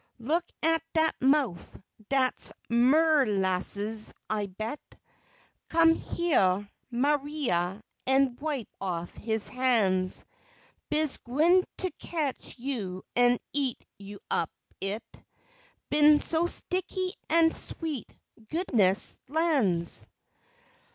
Look at dat mouf dat's merlasses, I bet; Come hyeah, Maria, an' wipe off his han's. Bees gwine to ketch you an' eat you up yit, Bein' so sticky an' sweet goodness lan's!